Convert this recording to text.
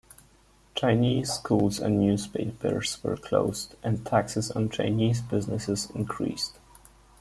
Chinese schools and newspapers were closed, and taxes on Chinese businesses increased.